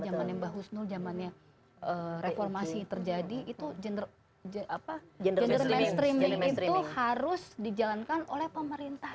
jamannya mbah husnul jamannya reformasi terjadi itu gender mainstreaming itu harus dijalankan oleh pemerintah